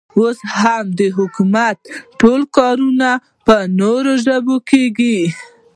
اوس هم د حکومت ټول کارونه په نورو ژبو کې کېږي.